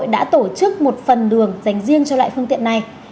đã tổ chức một phần đường dành riêng cho loại phương tiện này